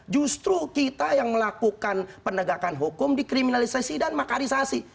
justru kita yang melakukan penegakan hukum dikriminalisasi dan makarisasi